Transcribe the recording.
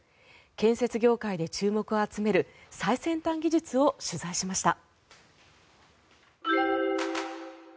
建設業界で注目を集める最先端技術を取材しました。